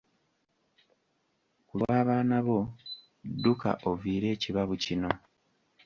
Ku lw’abaana bo, dduka oviire ekibabu kino.